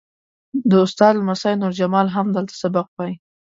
د استاد لمسی نور جمال هم دلته سبق وایي.